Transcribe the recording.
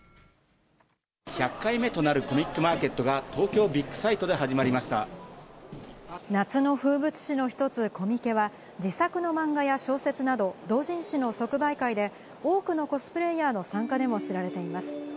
１００回目となるコミックマーケットが、夏の風物詩の一つ、コミケは、自作の漫画や小説など、同人誌の即売会で、多くのコスプレイヤーの参加でも知られています。